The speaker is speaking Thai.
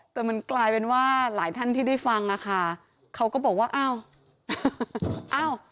แต่มันกลายเป็นว่าหลายท่านที่ได้ฟังอ่ะค่ะเขาก็บอกว่าอ้าวอ้าว